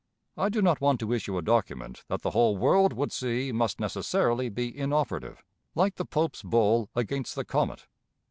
I do not want to issue a document that the whole world would see must necessarily be inoperative, like the Pope's bull against the comet.